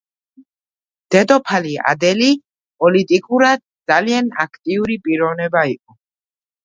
დედოფალი ადელი პოლიტიკურად ძალიან აქტიური პიროვნება იყო.